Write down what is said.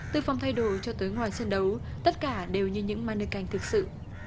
từ phong thay đổi cho tới ngoài sân đấu tất cả đều như những mannequin thực sự